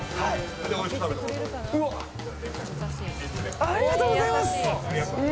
ありがとうございます。